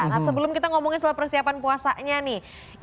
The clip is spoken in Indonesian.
nah sebelum kita ngomongin soal persiapan puasanya nih